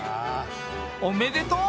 おめでとう！